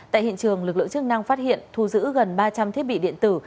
tại hiện trường lực lượng chức năng phát hiện thu giữ gần ba trăm linh thiết bị điện tử